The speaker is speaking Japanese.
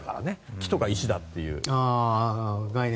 木とか石とかという。